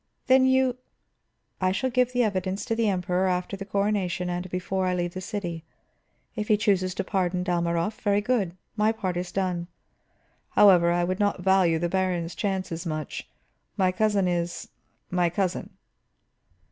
"Then you " "I shall give the evidence to the Emperor after the coronation and before I leave the city. If he chooses to pardon Dalmorov, very good; my part is done. However, I would not value the baron's chances much. My cousin is my cousin."